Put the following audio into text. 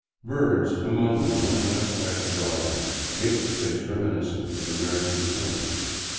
Birds, among them one much like the robin, make the place reminiscent of American summers.